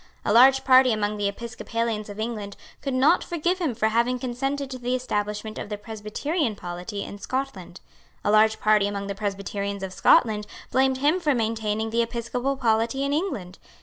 A large party among the Episcopalians of England could not forgive him for having consented to the establishment of the presbyterian polity in Scotland. A large party among the Presbyterians of Scotland blamed him for maintaining the episcopal polity in England.